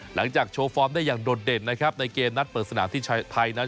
หลังจากโชว์ฟอร์มได้อย่างโดดเด่นนะครับในเกมนัดเปิดสนามที่ไทยนั้น